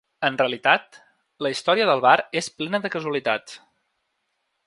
En realitat, la història del bar és plena de casualitats.